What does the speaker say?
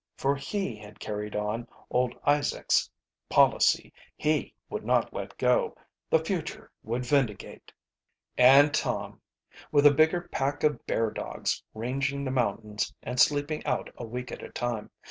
For he had carried on old Isaac's policy. He would not let go. The future would vindicate. And Tom! with a bigger pack of bear dogs ranging the mountains and sleeping out a week at a time.